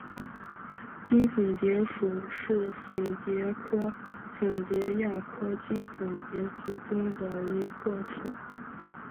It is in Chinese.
襟粉蝶属是粉蝶科粉蝶亚科襟粉蝶族中的一个属。